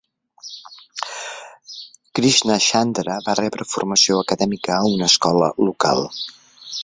Krishnachandra va rebre formació acadèmica a una escola local.